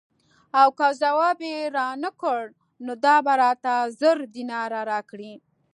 او که ځواب یې رانه کړ نو دا به راته زر دیناره راکړي.